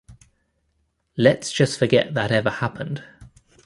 Let's just forget that ever happened.